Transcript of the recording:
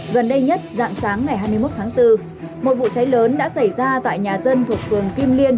gần đây nhất dạng sáng ngày hai mươi một tháng bốn một vụ cháy lớn đã xảy ra tại nhà dân thuộc phường kim liên